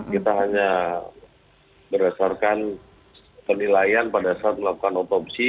kita hanya berdasarkan penilaian pada saat melakukan otopsi